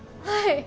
はい。